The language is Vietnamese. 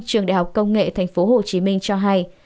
trường đại học công nghệ tp hcm cho hay